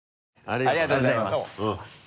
ありがとうございます。